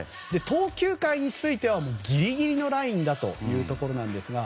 投球回についてはギリギリのラインということなんですが。